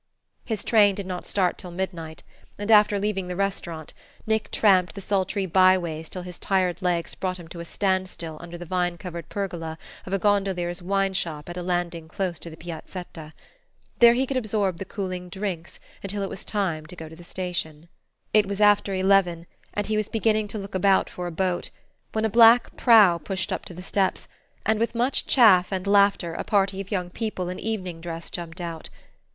His train did not start till midnight, and after leaving the restaurant Nick tramped the sultry by ways till his tired legs brought him to a standstill under the vine covered pergola of a gondolier's wine shop at a landing close to the Piazzetta. There he could absorb cooling drinks until it was time to go to the station. It was after eleven, and he was beginning to look about for a boat, when a black prow pushed up to the steps, and with much chaff and laughter a party of young people in evening dress jumped out.